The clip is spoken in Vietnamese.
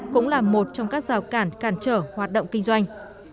cũng là một trong các rào cản cản trở hoạt động kinh doanh